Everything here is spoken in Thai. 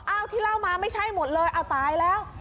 ที่เล่ามาไม่ใช่หมดเลยอ้าวตายแล้ว